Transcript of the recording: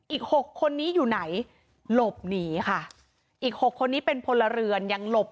หกคนนี้อยู่ไหนหลบหนีค่ะอีกหกคนนี้เป็นพลเรือนยังหลบ